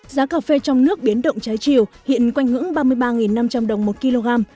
giá cà phê trong nước biến động trái chiều hiện quanh ngưỡng ba mươi ba năm trăm linh đồng một kg